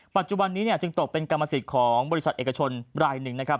ปัจจุบันนี้จึงตกเป็นกรรมสิทธิ์ของบริษัทเอกชนรายหนึ่งนะครับ